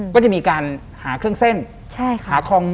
ก็จะมีการหาเครื่องเส้น